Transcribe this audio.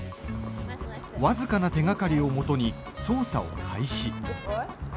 僅かな手がかりをもとに捜査を開始。